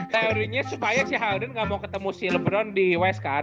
teori nya supaya si harden gak mau ketemu si lebron di west kan